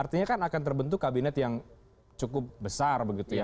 artinya kan akan terbentuk kabinet yang cukup besar begitu ya